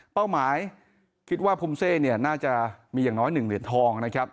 หมายคิดว่าภูมิเซเนี่ยน่าจะมีอย่างน้อย๑เหรียญทองนะครับ